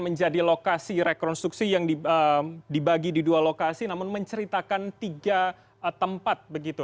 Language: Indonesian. menjadi lokasi rekonstruksi yang dibagi di dua lokasi namun menceritakan tiga tempat begitu